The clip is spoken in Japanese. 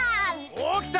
おっきた！